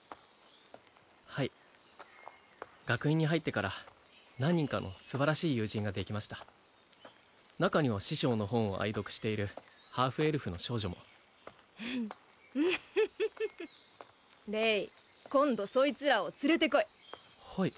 はい学院に入ってから何人かのすばらしい友人ができました中には師匠の本を愛読しているハーフエルフの少女もフフッウフフフフレイ今度そいつらを連れてこいはい